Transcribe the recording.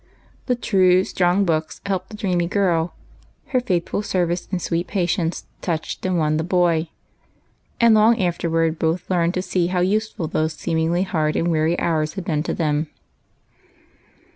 The true, strong books helped the dreamy girl ; her faithful service and sweet patience touched and won the boy; and long afterward both learned to see how useful those seemingly hard and weary hours had been to them.